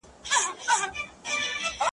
د پردیو خلوتونو په تیارو کي به ښخیږي .